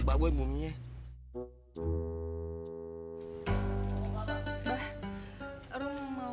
pak bu lo mau ngomong sesuatu